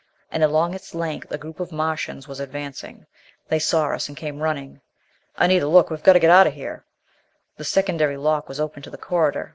And along its length a group of Martians was advancing! They saw us, and came running. "Anita! Look! We've got to get out of here!" The secondary lock was open to the corridor.